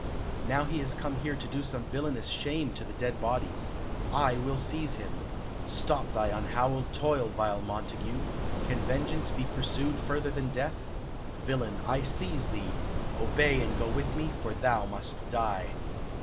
Now he has come here to do some villainous shame to the dead bodies. I will seize him. Stop thy unhallowed toil, vile Montague! Can vengeance be pursued further than death? Villain, I seize thee! Obey, and go with me, for thou must die."